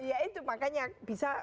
ya itu makanya bisa